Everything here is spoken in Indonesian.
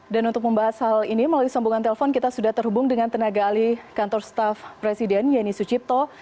dan untuk membahas hal ini melalui sambungan telpon kita sudah terhubung dengan tenaga alih kantor staff presiden yeni sucipto